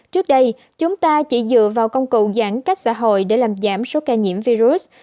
trước đây chúng ta chỉ dựa vào công cụ giãn cách xã hội để làm giảm số ca nhiễm virus